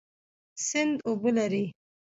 سیند اوبه لري